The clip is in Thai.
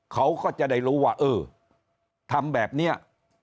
เขาก็จะได้รู้ว่าเออทำแบบนี้